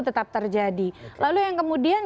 tetap terjadi lalu yang kemudian